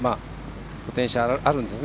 ポテンシャルがあるんですね。